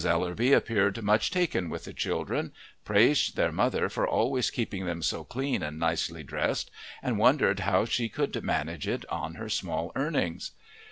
Ellerby appeared much taken with the children; praised their mother for always keeping them so clean and nicely dressed, and wondered how she could manage it on their small earnings.